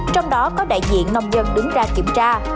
trong đó có đại diện nông dân đứng ra kiểm tra